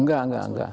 enggak enggak enggak